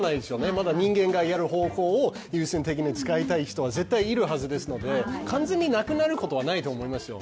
まだ人間がやる方向を優先的に使いたい人は絶対いるはずですので、完全になくなることはないですよ。